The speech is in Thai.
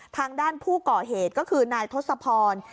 ทางด้านผู้ก่อเหตุก็คือนายทศพร